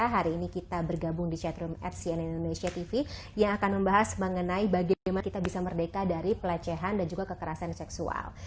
hari ini kita bergabung di chatroom at cnn indonesia tv yang akan membahas mengenai bagaimana kita bisa merdeka dari pelecehan dan juga kekerasan seksual